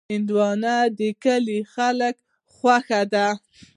هندوانه د کلیو خلکو خوښه ده.